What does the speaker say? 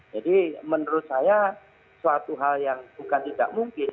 jadi menurut saya suatu hal yang bukan tidak mungkin